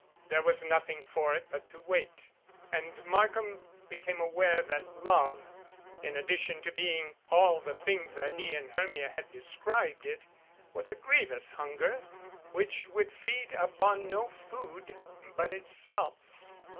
There was nothing for it but to wait, and Markham be came aware that love, in addition to being all the things that he and Hermia had described it, was a grievous hun ger which would feed upon no food but itself.